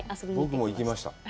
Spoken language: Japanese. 僕も行きました。